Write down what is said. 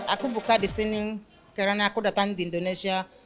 aku buka di sini karena aku datang di indonesia